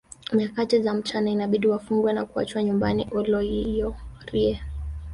Nyakati za mchana inabidi wafungwe na kuachwa nyumbani Olodoyiorie